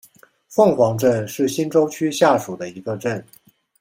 凤凰镇是新洲区下属的一个镇。